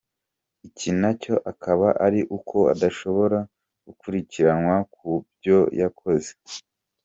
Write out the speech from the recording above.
Iki nacyo akaba ari uko adashobora gukurikiranwa ku byo yakoze.